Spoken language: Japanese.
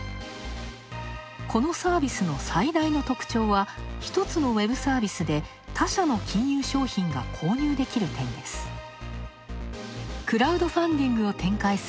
このサービスの最大の特徴は一つのウェブサービスで他社の金融商品が購入できる点です。